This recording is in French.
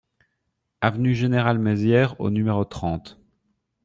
Avenue Général Maizière au numéro trente